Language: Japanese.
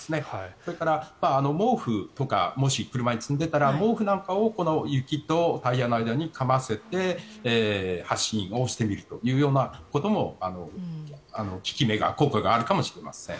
それから毛布とかもし車に積んでいたら毛布なんかを雪とタイヤの間にかませて発進してみることも効果があるかもしれません。